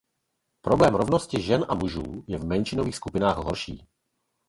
Problém rovnosti žen a mužů je v menšinových skupinách horší.